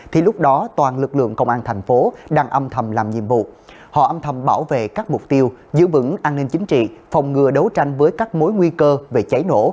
thì lúc đó toàn lực lượng công an thành phố đang âm thầm làm nhiệm vụ họ âm thầm bảo vệ các mục tiêu giữ vững an ninh chính trị phòng ngừa đấu tranh với các mối nguy cơ về cháy nổ